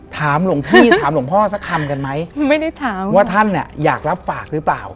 หลวงพี่ถามหลวงพ่อสักคำกันไหมไม่ได้ถามว่าท่านเนี่ยอยากรับฝากหรือเปล่า